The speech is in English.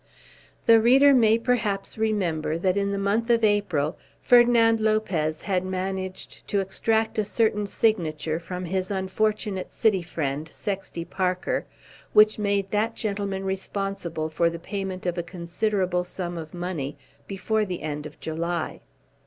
The reader may, perhaps, remember that in the month of April Ferdinand Lopez had managed to extract a certain signature from his unfortunate city friend, Sexty Parker, which made that gentleman responsible for the payment of a considerable sum of money before the end of July.